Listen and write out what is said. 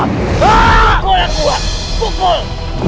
pukul aku pukul